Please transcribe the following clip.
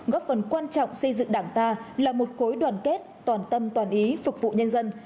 góp phần quan trọng xây dựng đảng ta là một khối đoàn kết toàn tâm toàn ý phục vụ nhân dân